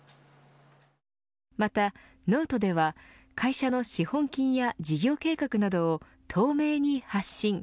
また、ノートでは会社の資本金や事業計画などを透明に発信。